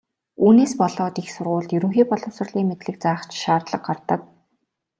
Үүнээс болоод их сургуульд ерөнхий боловсролын мэдлэг заах ч шаардлага гардаг.